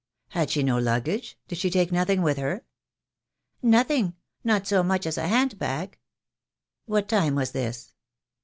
"Had she no luggage — did she take nothing with her?" "Nothing. Not so much as a hand bag." "What time was this?"